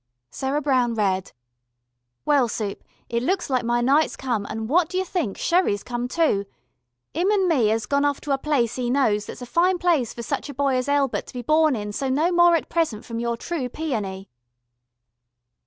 Sarah Brown read: "Well Soup it looks like my Night's come and what dyou think Sherry's come too. Im an me as gone off to a place e knows that's a fine place for such a boy as Elbert to be born in so no more at present from your true Peony."